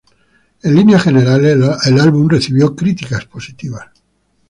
En líneas generales el álbum recibió críticas positivas.